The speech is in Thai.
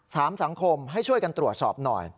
สังคมให้ช่วยกันตรวจสอบหน่อย